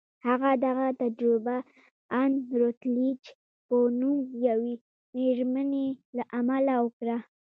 هغه دغه تجربه د ان روتليج په نوم يوې مېرمنې له امله وکړه.